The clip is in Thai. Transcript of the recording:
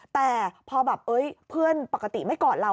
แต่พอแบบเพื่อนปกติไม่กอดเรา